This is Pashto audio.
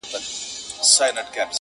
ځيني يې سخت واقعيت بولي ډېر،